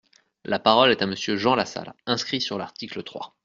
La parole est à Monsieur Jean Lassalle, inscrit sur l’article trois.